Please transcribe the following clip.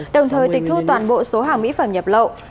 đồng thời tịch thu toàn bộ số hàng mỹ phẩm nhập lậu